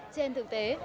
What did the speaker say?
trên thực tế